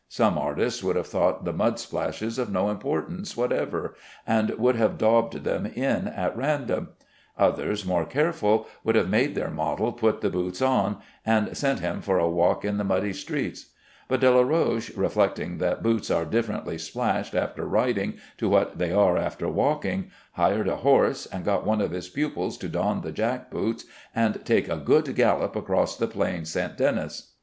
Some artists would have thought the mud splashes of no importance whatever, and would have daubed them in at random; others, more careful, would have made their model put the boots on, and sent him for a walk in the muddy streets; but Delaroche, reflecting that boots are differently splashed after riding to what they are after walking, hired a horse, and got one of his pupils to don the jackboots, and take a good gallop across the plain St. Denis.